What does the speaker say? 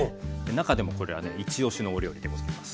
中でもこれはね一押しのお料理でございます。